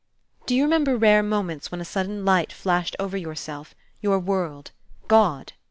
Do you remember rare moments when a sudden light flashed over yourself, your world, God?